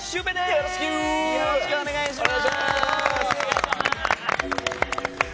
よろしくお願いします。